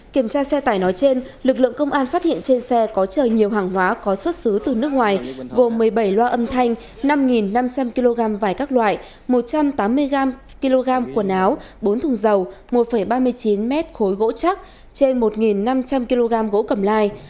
kiểm tra xe tải nói trên lực lượng công an phát hiện trên xe có chờ nhiều hàng hóa có xuất xứ từ nước ngoài gồm một mươi bảy loa âm thanh năm năm trăm linh kg vải các loại một trăm tám mươi gram kg quần áo bốn thùng dầu một ba mươi chín mét khối gỗ chắc trên một năm trăm linh kg gỗ cầm lai